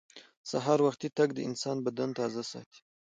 سهار وختي تګ د انسان بدن تازه ساتي